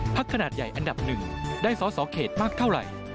พักขนาดใหญ่อันดับ๑ได้สอเขตมากเท่าไหร่